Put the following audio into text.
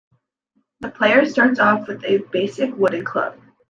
The player starts off with a basic wooden club.